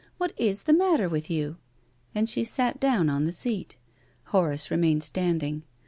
What is the matter with "i " you r And she sat down on the seat. Horace re mained standing.